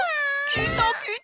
きたきた！